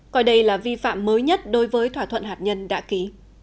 coi đây là vi phạm mới nhất đối với thỏa thuận hạt nhân đã ký